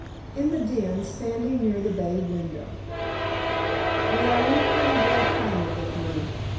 "In the den; standing near the bay window." "Well, we've pretty well planted the three.